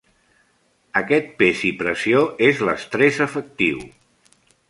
Aquest pes i pressió és l'estrès efectiu.